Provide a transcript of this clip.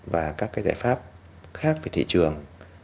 và các cái giải pháp khác về thị trường